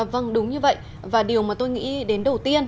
vâng đúng như vậy và điều mà tôi nghĩ đến đầu tiên